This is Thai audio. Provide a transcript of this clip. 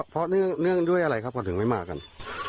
เพราะเนื่องด้วยอะไรครับพอถึงไม่มากัน